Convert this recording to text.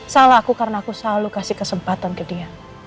salah aku karena aku selalu kasih kesempatan ke dia